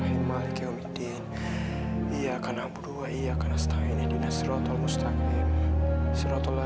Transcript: sampai jumpa di video selanjutnya